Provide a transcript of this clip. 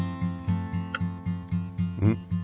うん？